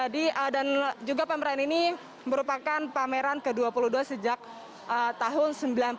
dan juga pameran ini merupakan pameran ke dua puluh dua sejak tahun